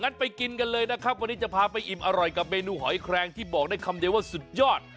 ไปกินกันเลยนะครับวันนี้จะพาไปอิ่มอร่อยกับเมนูหอยแครงที่บอกได้คำเดียวว่าสุดยอด